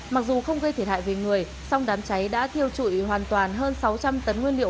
mặc dù không gây thiệt hại về người song đám cháy đã thiêu trụi hoàn toàn hơn sáu trăm linh tấn nguyên liệu